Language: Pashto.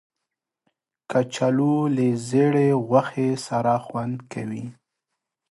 کچالو له زېړې غوښې سره خوند کوي